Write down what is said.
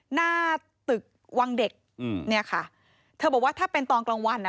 หน้าตึกวังเด็กอืมเนี่ยค่ะเธอบอกว่าถ้าเป็นตอนกลางวันอ่ะ